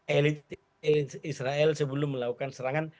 elit israel sebelum melakukan serangan